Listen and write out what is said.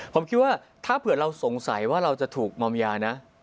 ผมคิดว่าถ้าเผื่อเราสงสัยว่าเราจะถูกมอมยานะ